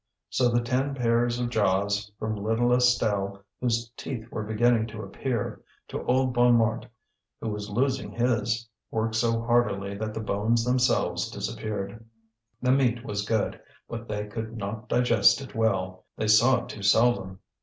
So the ten pairs of jaws, from little Estelle, whose teeth were beginning to appear, to old Bonnemort, who was losing his, worked so heartily that the bones themselves disappeared. The meat was good, but they could not digest it well; they saw it too seldom.